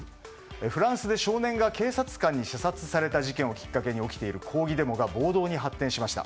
フランスで少年が警察官に射殺されたことをきっかけに起きている抗議デモが暴動に発展しました。